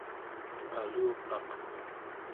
aluqaq